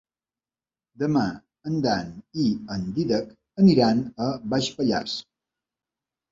Demà en Dan i en Dídac aniran a Baix Pallars.